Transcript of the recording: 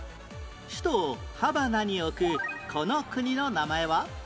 首都をハバナに置くこの国の名前は？